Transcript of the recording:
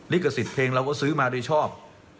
ลิขสิทธิ์เพลงเราก็ซื้อมาโดยชอบ